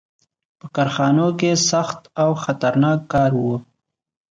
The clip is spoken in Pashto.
• په کارخانو کې سخت او خطرناک کار و.